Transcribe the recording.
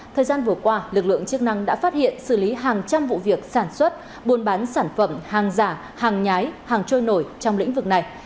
thời gian vừa qua lực lượng chức năng đã phát hiện xử lý hàng trăm vụ việc sản xuất buôn bán sản phẩm hàng giả hàng nhái hàng trôi nổi trong lĩnh vực này